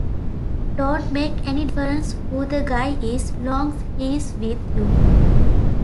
Don't make any difference who the guy is, long's he's with you.